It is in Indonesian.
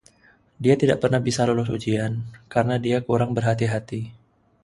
Dia tidak pernah bisa lulus ujian, karena dia kurang berhati-hati.